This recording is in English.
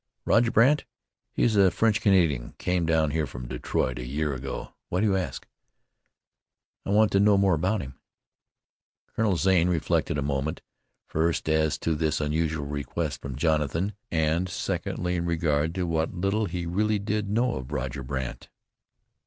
"Roger Brandt? He's a French Canadian; came here from Detroit a year ago. Why do you ask?" "I want to know more about him." Colonel Zane reflected a moment, first as to this unusual request from Jonathan, and secondly in regard to what little he really did know of Roger Brandt.